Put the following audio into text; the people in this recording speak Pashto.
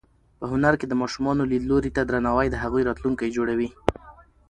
په هنر کې د ماشومانو لیدلوري ته درناوی د هغوی راتلونکی جوړوي.